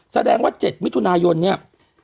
แสดงว่า๗มิถุนายนเนี่ย